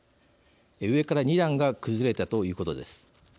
上から２段が崩れたということです。